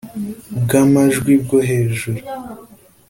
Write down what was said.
bw amajwi bwo hejuru